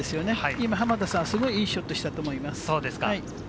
今、濱田さん、すごくいいショットをしたと思います。